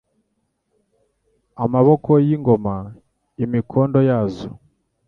Amaboko y'ingoma Imikondo yazo